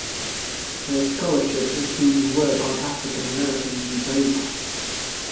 Her scholarship includes work on African-American Judaica.